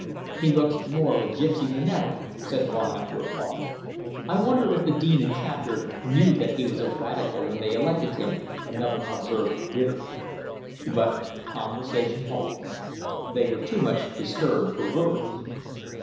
"He looks more of a gipsy than ever," said one, after a pause. "I wonder if the Dean and Chapter knew that he was a Radical when they elected him," another observed bitterly. But conversation halted. They were too much disturbed for words.